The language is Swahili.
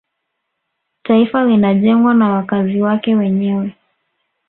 taifa linajengwa na wakazi wake wenyewe